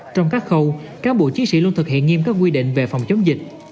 trong các khâu các bộ chí sĩ luôn thực hiện nghiêm các quy định về phòng chống dịch